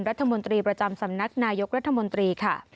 รัฐมนตรีประจำสำนักนายกรัฐมนตรีค่ะ